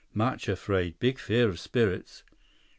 "Much afraid. Big fear of spirits."